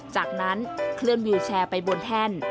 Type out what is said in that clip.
จากนั้นเคลื่อนวิวแชร์ไปบนแท่น